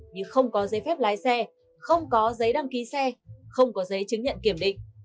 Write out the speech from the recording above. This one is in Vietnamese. như không có giấy phép lái xe không có giấy đăng ký xe không có giấy chứng nhận kiểm định